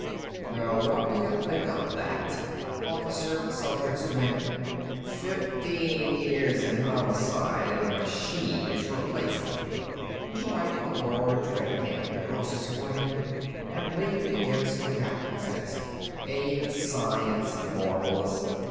"Now what do you think of that?" Officer Celtrics demanded. "Fifteen years in Homicide and a machine is replacing me." He wiped a large red hand across his forehead and leaned against the captain's desk. "Ain't science marvelous?"